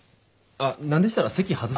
あ何でしたら席外し。